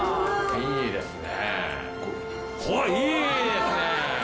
いいですか？